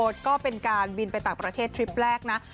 จะไปหาเอ็ฟไหน